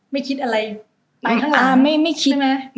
ไม่คิดอะไรไปข้างล่าง